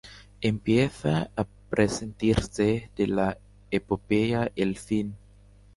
empieza a presentirse de la epopeya el fin.